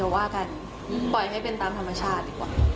ว่ากันปล่อยให้เป็นตามธรรมชาติดีกว่า